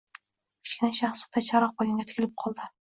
Kichkina shahzoda charog‘bonga tikilib qoldi.